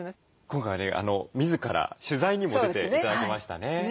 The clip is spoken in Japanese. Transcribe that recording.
今回ね自ら取材にも出て頂きましたね。